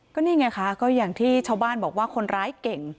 ก็นี่ไงคะก็อย่างที่ชาวบ้านบอกว่าคนร้ายเก่ง